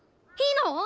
いいの？